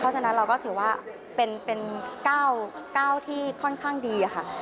เพราะฉะนั้นเราก็ถือว่าเป็น๙ที่ค่อนข้างดีค่ะ